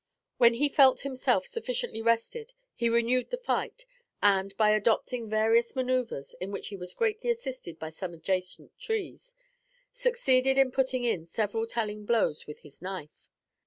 When he felt himself sufficiently rested, he renewed the fight; and, by adopting various manoeuvres, in which he was greatly assisted by some adjacent trees, succeeded in putting in several telling blows with his knife.